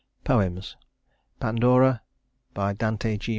Poems: Pandora DANTE G.